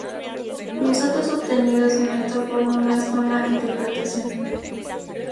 Los datos obtenidos en esta fórmula son la interpretación.